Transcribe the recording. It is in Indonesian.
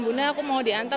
bunda aku mau diantar